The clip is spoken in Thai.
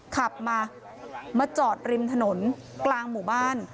ขับมามาจอดริมถนนกลางหมู่บ้าน